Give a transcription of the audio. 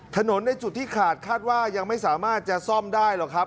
ถนนในจุดที่ขาดคาดว่ายังไม่สามารถจะซ่อมได้หรอกครับ